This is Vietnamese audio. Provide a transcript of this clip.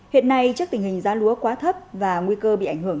hiện nay trước tình hình giá lúa quá thấp và nguy cơ bị ảnh hưởng